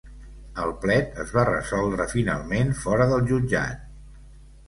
El plet es va resoldre finalment fora del jutjat.